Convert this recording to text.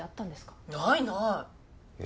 ないない。